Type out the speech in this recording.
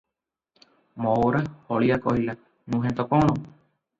"ମଓରା ହଳିଆ କହିଲା, ନୁହେଁ ତ କଣ?